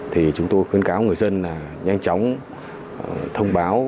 thì chúng tôi khuyến cáo người dân là nhanh chóng thông báo